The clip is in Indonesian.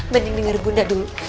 bening tunggu bunda